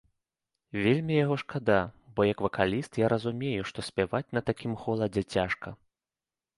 Вельмі яго шкада, бо як вакаліст, я разумею, што спяваць на такім холадзе цяжка.